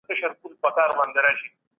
د کندهار ښار دروازې کوم نومونه لري؟